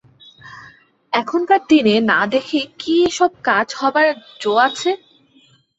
এখনকার দিনে না দেখে কি এ-সব কাজ হবার জো আছে!